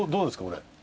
これ。